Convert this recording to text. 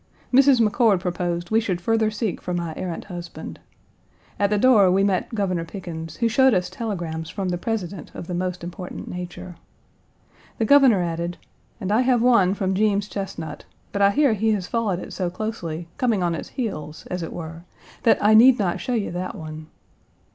Mrs. McCord proposed we should further seek for my errant husband. At the door, we met Governor Pickens, who showed us telegrams from the President of the most important nature. The Governor added, "And I have one from Jeems Chesnut, but I hear he has followed it so closely, coming on its heels, as it were, that I need not show you that one."